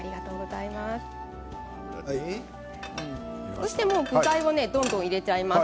そして、具材をどんどん入れちゃいます。